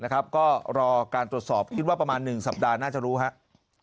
ก็รอการตรวจสอบคิดว่าประมาณ๑สัปดาห์น่าจะรู้ครับ